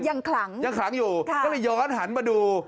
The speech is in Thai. ขลังยังขลังอยู่ก็เลยย้อนหันมาดู